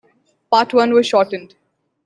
Part I was shortened.